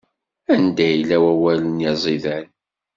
Anda yella wawal-nni aẓidan?